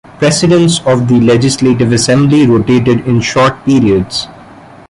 Presidents of the Legislative Assembly rotated in short periods.